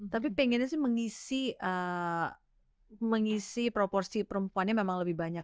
tapi pengennya sih mengisi proporsi perempuannya memang lebih banyak